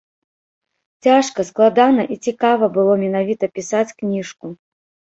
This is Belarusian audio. Цяжка, складана і цікава было менавіта пісаць кніжку.